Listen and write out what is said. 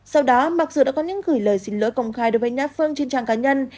sau đó mặc dù đã có những gửi lời xin lỗi công khai đối với nhãn phương trên trang cá nhân